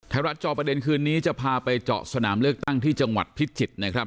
รัฐจอประเด็นคืนนี้จะพาไปเจาะสนามเลือกตั้งที่จังหวัดพิจิตรนะครับ